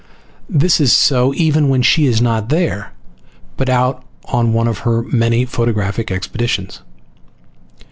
That is so even when she is not there but out on one of her many photographic expeditions.